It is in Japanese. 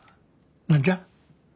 何じゃ？